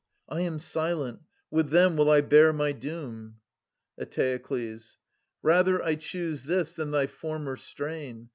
I am silent : with them will 1 bear my doom. Eteokles. Rather I choose this than thy former strain.